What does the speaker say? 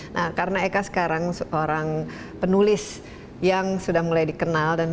nah karena eka sekarang seorang penulis yang sudah mulai dikenal